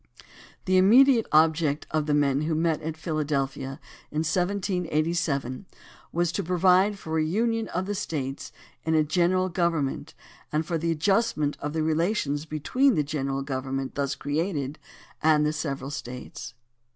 The immediate object of the men who met at Philadelphia in 1787 was to provide for a Union of the States in a general gov AND THE RECALL OF JUDGES 101 ernment and for the adjustment of the relations between the general government thus created and the several States.